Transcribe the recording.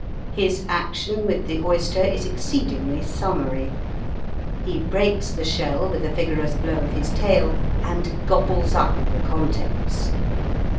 His action with the oyster is exceedingly summary. He breaks the shell with a vigorous blow of his tail, and gobbles up the contents.